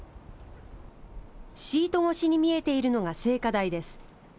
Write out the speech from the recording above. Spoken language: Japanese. シート越しに見えているのが聖火台です。